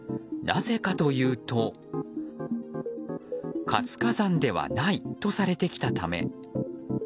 なぜかというと活火山ではないとされてきたため。